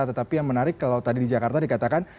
tetapi yang menarik kalau tadi di jakarta dikatakan